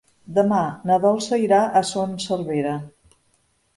Demà na Dolça irà a Son Servera.